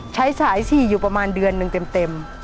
ใช้สายฉี่อยู่ประมาณเดือนหนึ่งเต็ม